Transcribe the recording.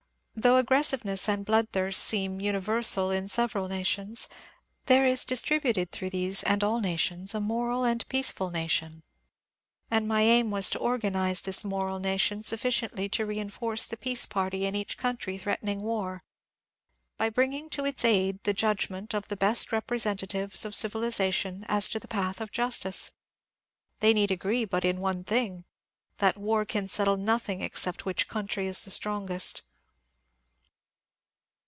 Although aggressiveness and blood thirst seemed ^^uni versal " in several nations, there is distributed through these and all nations a moral and peaceful nation, and my aim was to organize this moral nation sufficiently to reinforce the peace party in each country threatening war, by bringing to its aid the judgment of the best representatives of civilization as to the path of justice. They need agree in but one thing — that war can settle nothing except which country is the strongest.